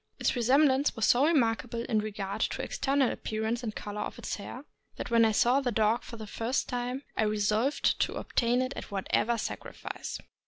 Its resemblance was so remarkable in regard to external appearance and color of its hair, that when I saw the dog for the first time I resolved to obtain it at whatever sacrifice.